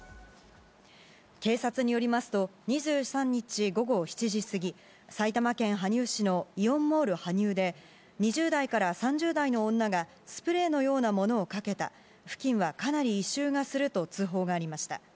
警察によりますと、２３日午後７時過ぎ、埼玉県羽生市のイオンモール羽生で、２０代から３０代の女がスプレーのようなものをかけた、付近はかなり異臭がすると通報がありました。